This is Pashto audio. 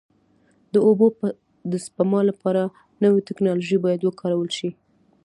د اوبو د سپما لپاره نوې ټکنالوژي باید وکارول شي.